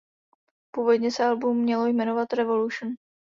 Původně se album mělo jmenovat "Revolution".